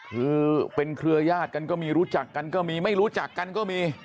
คือเป็นเครือยาศกันก็มีรู้จักกันก็มีไม่รู้จักกันก็มี